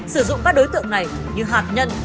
sử dụng các đối tượng này như hạt nhân